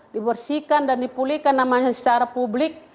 dibersihkan dan dipulihkan namanya secara publik